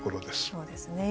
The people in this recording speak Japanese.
そうですね。